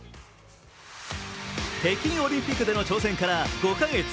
北京オリンピックでの挑戦から５カ月。